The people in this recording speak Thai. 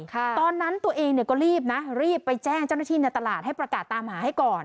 ตอนนั้นตัวเองเนี่ยก็รีบนะรีบไปแจ้งเจ้าหน้าที่ในตลาดให้ประกาศตามหาให้ก่อน